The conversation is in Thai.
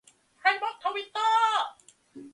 "ใครบล็อกทวิตเตอร์ ?"